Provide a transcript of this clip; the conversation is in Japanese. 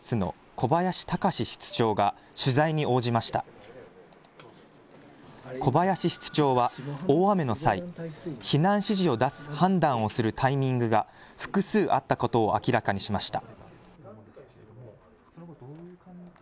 小林室長は大雨の際、避難指示を出す判断をするタイミングが複数あったことを明らかにしました。